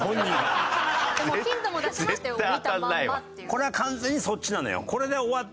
これは完全にそっちなのよ。